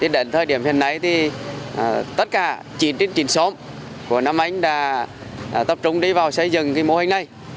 đến thời điểm hiện nay tất cả chín trên chín xóm của nam anh đã tập trung đi vào xây dựng mô hình này